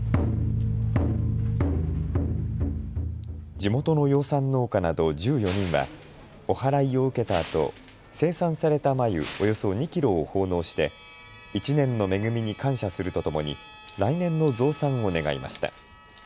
地元の養蚕農家など１４人はおはらいを受けたあと、生産された繭、およそ２キロを奉納して１年の恵みに感謝するとともに来年の増産を願いました。